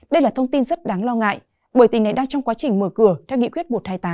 đây là thông tin rất đáng lo ngại bởi tỉnh này đang trong quá trình mở cửa theo nghị quyết một trăm hai mươi tám